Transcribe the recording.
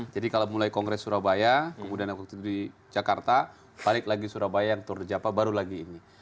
jadi kalau mulai kongres surabaya kemudian waktu itu di jakarta balik lagi surabaya yang tordjapa baru lagi ini